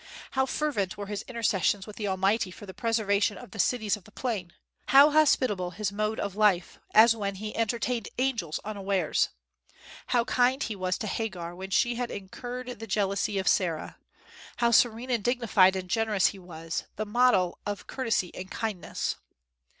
How fervent were his intercessions with the Almighty for the preservation of the cities of the plain! How hospitable his mode of life, as when he entertained angels unawares! How kind he was to Hagar when she had incurred the jealousy of Sarah! How serene and dignified and generous he was, the model of courtesy and kindness!